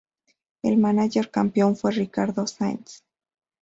El mánager campeón fue Ricardo Sáenz.